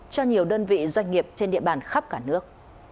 cho nhiều đơn vị doanh nghiệp trên địa bàn khắp cả nước